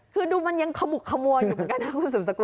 คือดูมันยังขมุกขมัวอยู่เหมือนกันนะคุณผู้ชมสักครู่